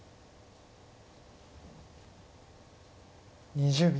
２０秒。